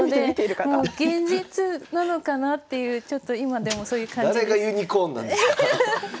現実なのかなっていうちょっと今でもそういう感じです。